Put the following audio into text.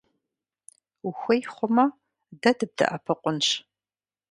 Ухуей хъумэ, дэ дыбдэӀэпыкъунщ.